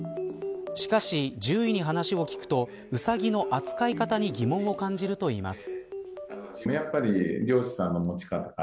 しかし、獣医に話を聞くとウサギの扱い方に疑問を感じるといいます。